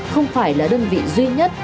không phải là đơn vị duy nhất